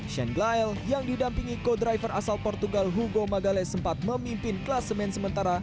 shane glyle yang didampingi co driver asal portugal hugo magale sempat memimpin kelas semen sementara